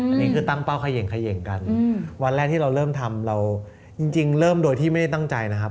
อันนี้คือตั้งเป้าเขย่งเขย่งกันวันแรกที่เราเริ่มทำเราจริงเริ่มโดยที่ไม่ได้ตั้งใจนะครับ